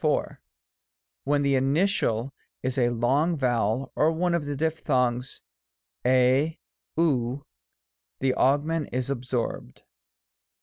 IV. When the initial is a long vowel, or one of the diphthongs tc^ ovy the augment is absorbed (§3).